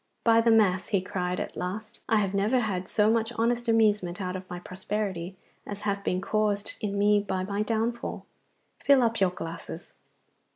'By the Mass,' he cried at last, 'I have never had so much honest amusement out of my prosperity as hath been caused in me by my downfall. Fill up your glasses!